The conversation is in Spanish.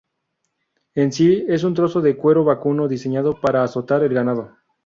En sí es un trozo de cuero vacuno diseñado para azotar al ganado.